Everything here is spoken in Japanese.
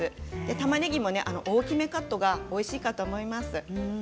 たまねぎも大きめカットがおいしいかと思います。